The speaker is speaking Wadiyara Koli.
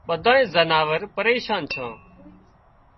ٻڌانئي زناور پريشان ڇان